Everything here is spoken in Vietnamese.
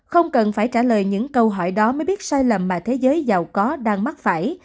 không cần phải trả lời những câu hỏi đó mới biết sai lầm mà thế giới giàu có đang mắc phải